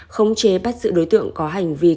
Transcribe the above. khống chế bắt giữ đối tượng có hành vi